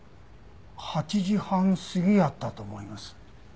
８時半過ぎやったと思います。